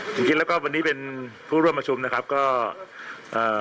ผมคิดแล้วก็วันนี้เป็นผู้ร่วมประชุมนะครับก็เอ่อ